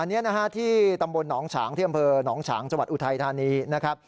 อันนี้นะฮะที่ตำบลหนองฉางที่อำเภอหนองฉางจังหวัดอุทัยธานีนะครับ